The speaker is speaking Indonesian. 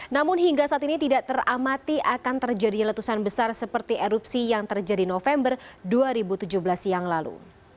namun hingga saat ini tidak teramati akan terjadi letusan besar seperti erupsi yang terjadi november dua ribu tujuh belas yang lalu